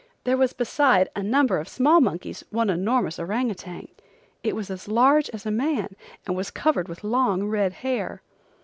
There was besides a number of small monkeys one enormous orang outang. It was as large as a man and was covered with long red hair.